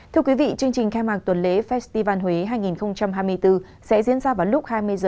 thưa quý vị chương trình khai mạc tuần lễ festival huế hai nghìn hai mươi bốn sẽ diễn ra vào lúc hai mươi h